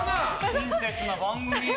親切な番組。